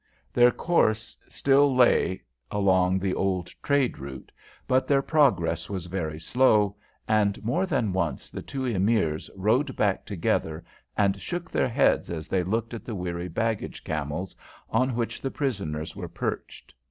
Their course still lay along the old trade route, but their progress was very slow, and more than once the two Emirs rode back together and shook their heads as they looked at the weary baggage camels on which the prisoners were perched.